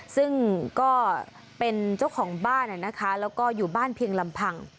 ซึ่งก็เป็นเจ้าของบ้านนะคะแล้วก็อยู่บ้านเพียงลำพัง